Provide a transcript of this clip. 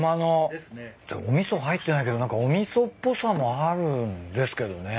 お味噌入ってないけど何かお味噌っぽさもあるんですけどね。